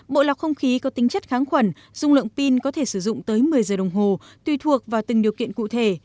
bộ lọc không khí có tính chất kháng khuẩn dung lượng pin có thể sử dụng tới một mươi giờ đồng hồ tùy thuộc vào từng điều kiện cụ thể